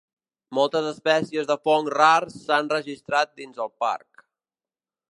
Moltes espècies de fongs rars s'han registrat dins el parc.